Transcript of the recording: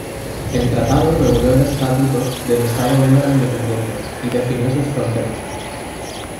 El tratado reguló el estatuto del Estado húngaro independiente y definió sus fronteras.